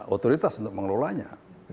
otoritas untuk mengelolanya